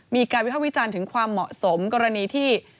วิภาควิจารณ์ถึงความเหมาะสมกรณีที่